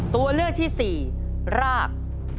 ตัวเลือกที่๔ราก